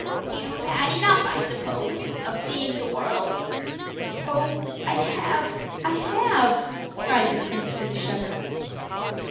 "You've had enough, I suppose, of seeing the world?" "Oh, I have I have!" cried the prince, with a shudder.